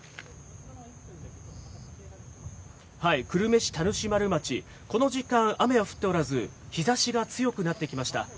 久留米市田主丸町、この時間、雨は降っておらず、日ざしが強くなってきました。